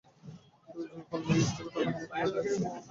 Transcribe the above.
শুধু যখন লোয়িস থাকে, তখন আমাকে মেঝের এক্সট্রা স্পেশাল স্পটে ঘুমাতে হয়।